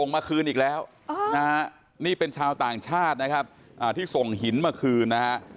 มาคืนอีกแล้วนะฮะนี่เป็นชาวต่างชาตินะครับที่ส่งหินมาคืนนะฮะ